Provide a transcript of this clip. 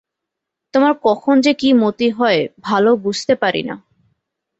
তোমার কখন যে কী মতি হয়, ভালো বুঝতে পারি না।